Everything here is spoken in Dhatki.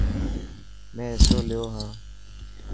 مين حصو ليو هان.